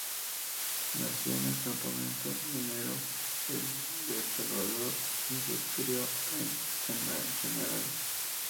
Nació en el campamento minero de El Salvador y se crio en Chañaral.